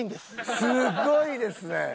すごいですね。